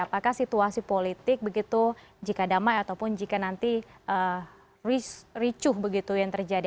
apakah situasi politik begitu jika damai ataupun jika nanti ricuh begitu yang terjadi